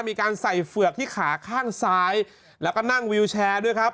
มีการใส่เฝือกที่ขาข้างซ้ายแล้วก็นั่งวิวแชร์ด้วยครับ